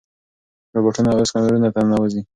روباټونه اوس کورونو ته ننوځي.